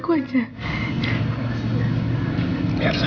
tolong jangan kamu membahas aku aja